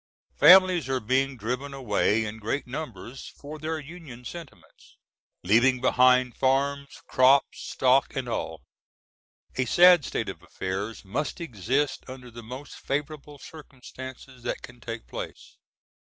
Families are being driven away in great numbers for their Union sentiments, leaving behind farms, crops, stock and all. A sad state of affairs must exist under the most favorable circumstances that can take place.